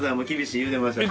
言ってましたか！